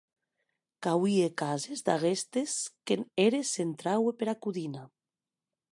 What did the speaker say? Qu’auie cases d’aguestes qu’en eres s’entraue pera codina.